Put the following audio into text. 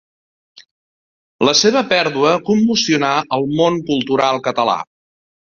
La seva pèrdua commocionà el món cultural català.